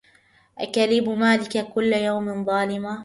أكليب مالك كل يوم ظالما